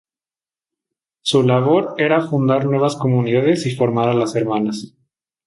Su labor era fundar nuevas comunidades y formar a las hermanas.